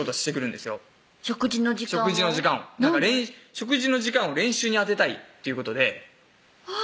食事の時間を練習に充てたいっていうことであぁ